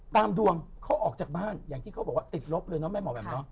ดวงเขาออกจากบ้านอย่างที่เขาบอกว่าติดลบเลยเนาะแม่หมอแหม่